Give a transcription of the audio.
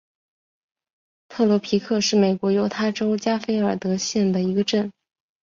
特罗皮克是美国犹他州加菲尔德县的一个镇。